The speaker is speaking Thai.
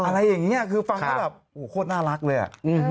อะไรอย่างนี้คือฟังแล้วแบบโคตรน่ารักเลย